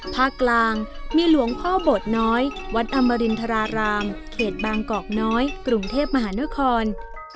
ภาคกลางมีหลวงพ่อโบสถน้อยวัดอมรินทรารามเขตบางกอกน้อยกรุงเทพมหานคร